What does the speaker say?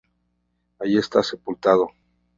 Allí está sepultado.